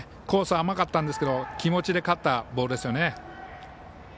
甘かったんですけど気持ちで勝ったボールですね。